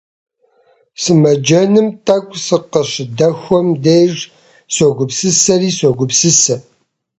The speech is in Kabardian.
Сымэджэным тӀэкӀу сыкъыщыдэхуэхэм деж согупсысэри-согупсысэ!